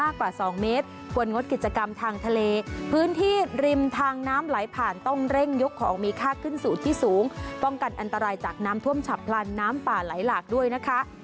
ของมีค่าขึ้นสูที่สูงป้องกันอันตรายจากน้ำทว่มฉับลานน้ำป่าไหลหลากด้วยนะคะ